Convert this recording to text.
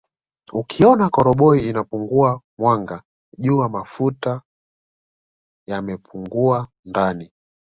Ukiona koroboi inapunguza mwanga jua kuwa mafuta yamepungua ndani